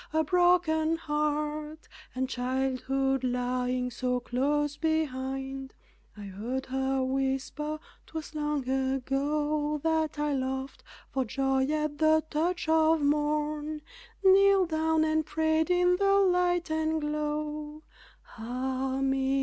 a broken heart, And childhood lying so close behind. I heard her whisper, "'Twas long ago That I laughed for joy at the touch of morn, Kneeled down and prayed in the light and glow Ah me!